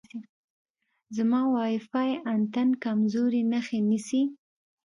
زما وای فای انتن کمزورې نښې نیسي.